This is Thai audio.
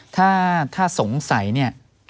ถ้าสงสัยเนี่ย